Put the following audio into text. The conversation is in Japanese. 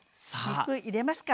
肉入れますか。